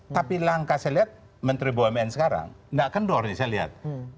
tapi langkah saya lihat menteri bumn sekarang nggak kendor nih saya lihat